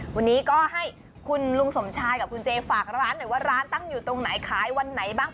วันนี้ก็ให้คุณลุงสมชายกับคุณเจฝากร้านหน่อยว่าร้านตั้งอยู่ตรงไหนขายวันไหนบ้าง